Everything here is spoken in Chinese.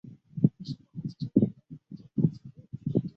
愈创木酚遇三氯化铁变为蓝色。